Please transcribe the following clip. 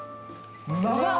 長っ！